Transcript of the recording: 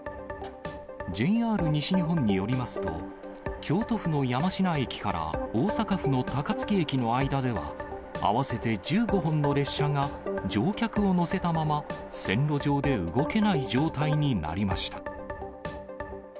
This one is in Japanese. ＪＲ西日本によりますと、京都府の山科駅から大阪府の高槻駅の間では、合わせて１５本の列車が乗客を乗せたまま、線路上で動けない状態になりました。